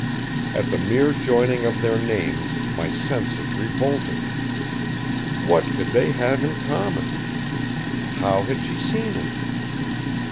At the mere joining of their names my senses revolted. What could they have in common? How had she seen him?